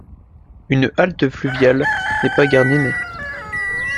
Une halte fluviale n’est pas gardiennée.